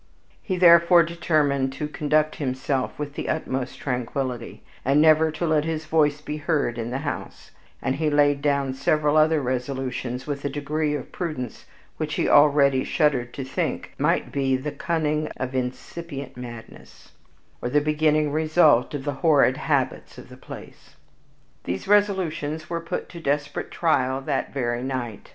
He therefore determined to conduct himself with the utmost tranquillity, and never to let his voice be heard in the house; and he laid down several other resolutions with a degree of prudence which he already shuddered to think might be the cunning of incipient madness, or the beginning result of the horrid habits of the place. These resolutions were put to desperate trial that very night.